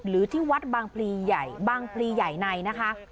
หรือที่วัดบางพลีใหญ่บางพลีใหญ่ในนะคะ